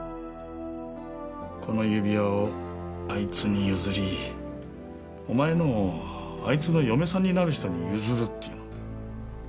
この指輪をあいつに譲りお前のをあいつの嫁さんになる人に譲るっていうの。